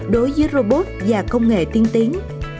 đối với robot và công nghệ tiên tiến